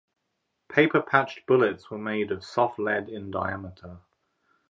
Paper-patched bullets were made of soft lead in diameter.